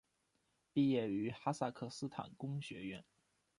毕业于哈萨克斯坦工学院。